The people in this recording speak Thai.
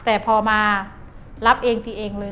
แต่พอมารับเองทีเองเลย